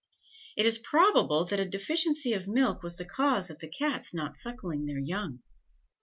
It is probable that a deficiency of milk was the cause of the Cats not suckling their young.